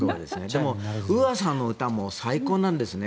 でも、ＵＡさんの歌も最高なんですね。